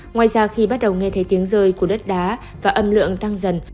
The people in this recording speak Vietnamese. ngoài ra khi bắt đầu nghe thấy tiếng rơi của đất đá và âm lượng tăng dần